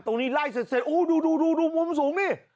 ตรงนี้ไล่เสร็จอู้วววดูมุมสูงนี่